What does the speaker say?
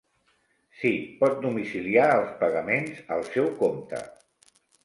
Sí, pot domiciliar els pagaments al seu compte.